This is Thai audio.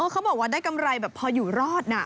เขาบอกว่าได้กำไรแบบพออยู่รอดนะ